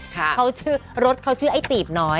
เขาชื่อรถเขาชื่อไอ้ตีบน้อย